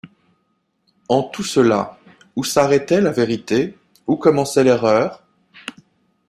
En tout cela, où s’arrêtait la vérité, où commençait l’erreur?